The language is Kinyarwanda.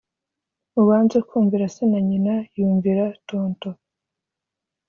• uwanze kumvira se na nyina yumvira tonton